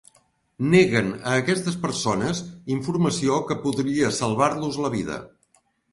Neguen a aquestes persones informació que podria salvar-los la vida.